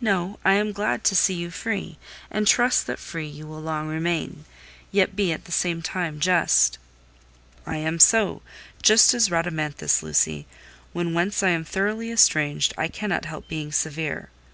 "No: I am glad to see you free, and trust that free you will long remain. Yet be, at the same time, just." "I am so: just as Rhadamanthus, Lucy. When once I am thoroughly estranged, I cannot help being severe.